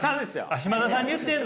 嶋田さんに言ってるの？